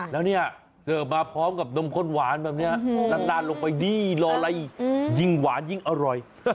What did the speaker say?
แล้วเนี่ยเสิร์ฟมาพร้อมกับนมข้นหวานแบบนี้นานลงไปดีรออะไรยิ่งหวานยิ่งอร่อย